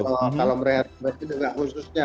kalau mereka khususnya